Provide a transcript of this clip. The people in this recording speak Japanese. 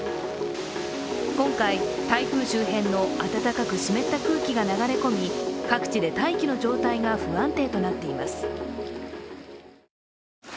今回、台風周辺の暖かく湿った空気が流れ込み各地で大気の状態が不安定となっています。